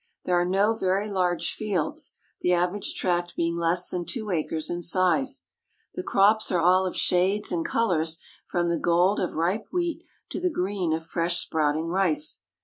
There are no very large fields, the average tract being less than two acres in size. The crops are of all shades and colors, from the gold of ripe wheat to the green of fresh sprouting rice.